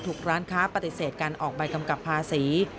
ร้านค้าปฏิเสธการออกใบกำกับภาษี